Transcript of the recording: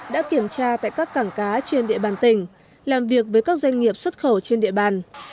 đã kiểm tra tại các cảng cá trên địa bàn tỉnh làm việc với các doanh nghiệp xuất khẩu trên địa bàn